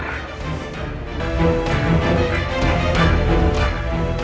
untuk mencari ilmu yang lebih kuat